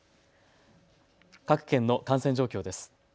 各県の感染状況です。